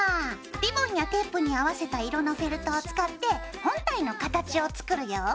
リボンやテープに合わせた色のフェルトを使って本体の形を作るよ。